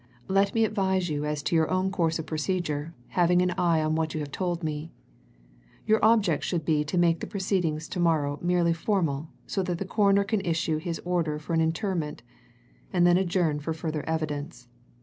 Let me advise you as to your own course of procedure, having an eye on what you have told me. Your object should be to make the proceedings to morrow merely formal, so that the Coroner can issue his order for interment, and then adjourn for further evidence.